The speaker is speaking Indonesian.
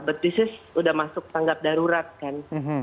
tapi ini sudah masuk tanggap darurat kan